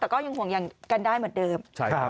แต่ก็ยังห่วงอย่างกันได้เหมือนเดิม